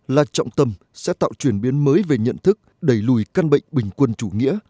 là trọng tâm sẽ tạo chuyển biến mới về nhận thức đẩy lùi căn bệnh bình quân chủ nghĩa